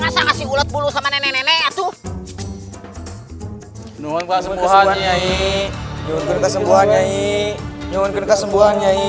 masa ngasih ulat bulu sama nenek nenek atuh